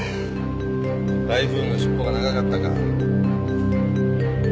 台風のしっぽが長かったか。